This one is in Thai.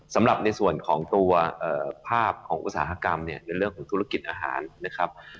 สำหรับในส่วนของตัวภาพของอุตสาหกรรมเนี่ยในเรื่องของธุรกิจอาหารนะครับ